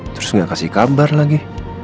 terus gak kasih kabar lagi